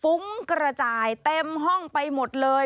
ุ้งกระจายเต็มห้องไปหมดเลย